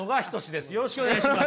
よろしくお願いします。